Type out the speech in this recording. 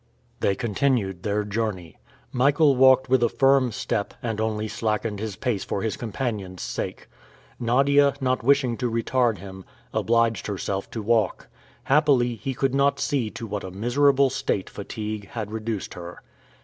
They continued their journey. Michael walked with a firm step, and only slackened his pace for his companion's sake. Nadia, not wishing to retard him, obliged herself to walk. Happily, he could not see to what a miserable state fatigue had reduced her.